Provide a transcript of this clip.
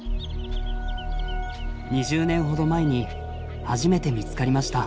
２０年ほど前に初めて見つかりました。